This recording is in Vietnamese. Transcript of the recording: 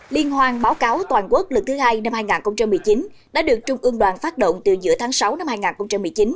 liên hoan báo cáo toàn quốc lần thứ hai năm hai nghìn một mươi chín đã được trung ương đoàn phát động từ giữa tháng sáu năm hai nghìn một mươi chín